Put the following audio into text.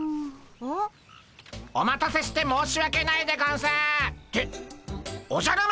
うん？お待たせして申し訳ないでゴンスっておじゃる丸！